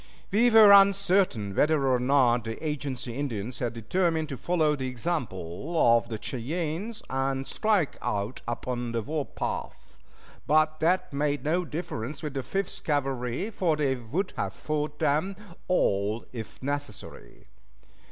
We were uncertain whether or not the agency Indians had determined to follow the example of the Cheyennes and strike out upon the warpath; but that made no difference with the Fifth Cavalry, for they would have fought them all if necessary.